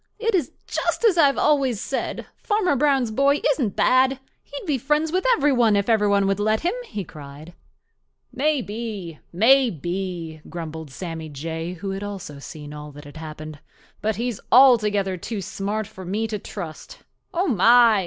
It is just as I have always said—Farmer Brown's boy isn't bad. He'd be friends with every one if every one would let him," he cried. "Maybe, maybe," grumbled Sammy Jay, who also had seen all that had happened. "But he's altogether too smart for me to trust. Oh, my!